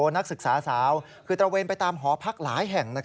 นักศึกษาสาวคือตระเวนไปตามหอพักหลายแห่ง